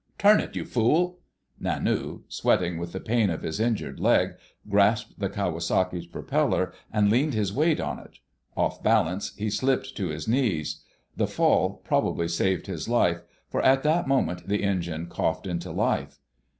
Turn it, you fool!" Nanu, sweating with the pain of his injured leg, grasped the Kawasaki's propeller and leaned his weight on it. Off balance, he slipped to his knees. The fall probably saved his life, for at that moment the engine coughed into life.